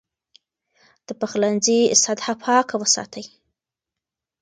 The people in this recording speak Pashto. د پخلنځي سطحه پاکه وساتئ.